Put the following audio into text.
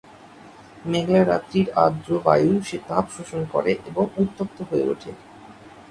মেঘলা রাত্রির আর্দ্র বায়ু সে তাপ শোষণ করে এবং উত্তপ্ত হয়ে ওঠে।